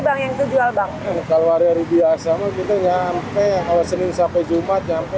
bang yang terjual bang kalau hari hari biasa begitu ya ampe kalau senin sampai jumat sampai